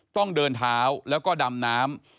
ต้องเดินเท้าแล้วก็ดำน้ำ